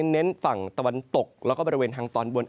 เน้นฝั่งตะวันตกแล้วก็บริเวณทางตอนบน